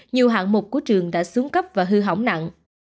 nhiều hạng mục của trường đã xuống cấp và hư hỏng nặng